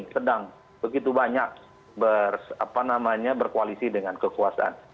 sedang begitu banyak berkoalisi dengan kekuasaan